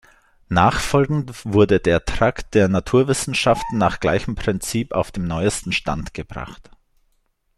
Nachfolgend wurde der Trakt der Naturwissenschaften nach gleichem Prinzip auf dem neuesten Stand gebracht.